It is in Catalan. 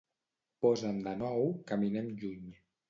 Posa'm de nou "Caminem lluny".